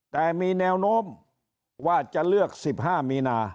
แต่มีแนวโน้มว่าจะเลือก๑๕มีนา